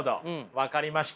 分かりました。